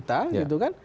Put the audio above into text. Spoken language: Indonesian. tapi juga bisa dihemat